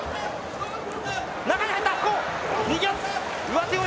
中に入った白鵬！